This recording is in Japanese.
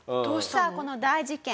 さあこの大事件